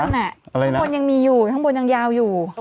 ข้างบนยังมีอยู่ข้างบนยังยาวอยู่